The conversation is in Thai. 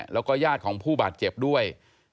แล้วก็ญาติของผู้บาดเจ็บด้วย